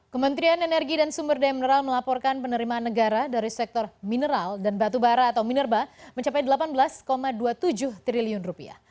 kementerian energi dan sumber daya mineral melaporkan penerimaan negara dari sektor mineral dan batu bara atau minerba mencapai delapan belas dua puluh tujuh triliun rupiah